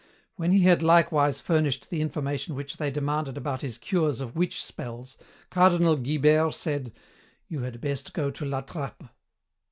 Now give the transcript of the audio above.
"When he had likewise furnished the information which they demanded about his cures of witch spells, Cardinal Guibert said, 'You had best go to La Trappe.'